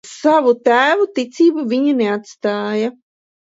Savu tēvu ticību viņi neatstāja.